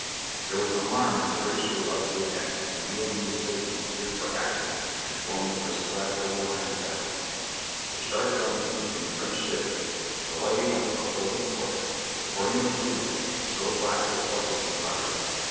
There was an alarm that the British were about to attack, and Villeneuve signalled to clear for action and form the prescribed double line of battle. The sharp drumbeats from the French ships, the lighting up of open ports, the burning of blue lights, showed Blackwood what was in progress.